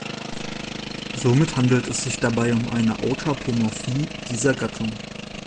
Somit handelt es sich dabei um eine Autapomorphie dieser Gattung.